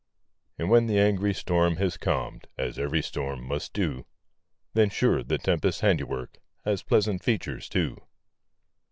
And when the angry storm has calm'd, As ev'ry storm must do, Then, sure, the tempest's handiwork, Has pleasant features, too.